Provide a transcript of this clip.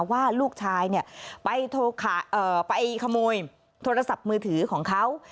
ว่าลูกชายไปขโมยโทรศัพท์มือถือของเขา